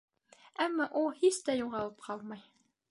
Әммә ул һис тә юғалып ҡалмай.